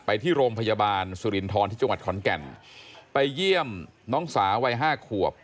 ไปที่โรงพยาบาลสุรินทรที่จังหวัดขอนแก่นไปเยี่ยมน้องสาววัยห้าขวบ